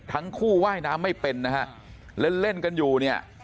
ทั้งคู่ว่ายน้ำไม่เป็นนะฮะเล่นเล่นกันอยู่เนี่ย